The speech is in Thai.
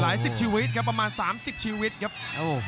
และอัพพิวัตรสอสมนึก